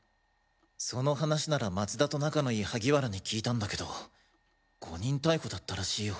その話なら松田と仲のいい萩原に聞いたんだけど誤認逮捕だったらしいよ。